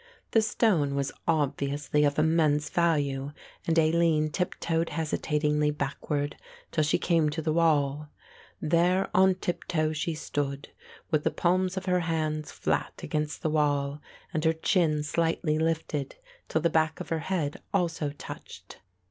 The stone was obviously of immense value and Aline tiptoed hesitatingly backward till she came to the wall. There on tiptoe she stood, with the palms of her hands flat against the wall and her chin slightly lifted till the back of her head also touched.